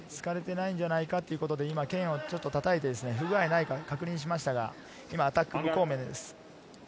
突かれていないんじゃないかということで、今剣をちょっとたたいてですね、不具合がないか確認しましたが、今アタック、無効面です。